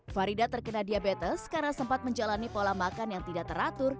faridah terkena diabetes karena sempat menjalani pola makan yang tidak teratur